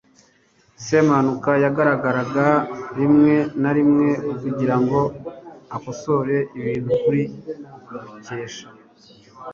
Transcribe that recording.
semuhanuka yahagararaga rimwe na rimwe kugirango akosore ibintu kuri mukesha